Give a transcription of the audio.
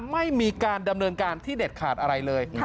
ไม่มีการดำเนินการที่เด็ดขาดอะไรเลย